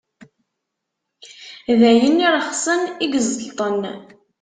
D ayen iṛexsen i yeẓellṭen.